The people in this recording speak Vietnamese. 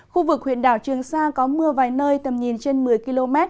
khu vực huyện đảo trường sa có mưa vài nơi tầm nhìn trên một mươi km